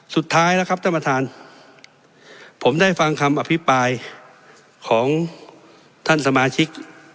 สุดท้ายแล้วครับท่านประธานผมได้ฟังคำอภิปรายของท่านสมาชิก